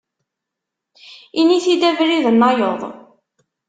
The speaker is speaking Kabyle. Ini-t-id abrid-nnayeḍ.